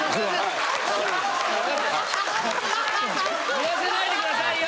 言わせないでくださいよ。